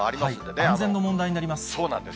安全の問題になります。